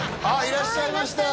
いらっしゃいました